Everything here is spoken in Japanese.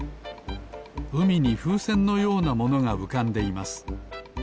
うみにふうせんのようなものがうかんでいます。